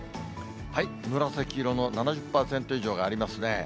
紫色の７０％以上がありますね。